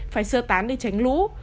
phải sơ tán để tránh lũ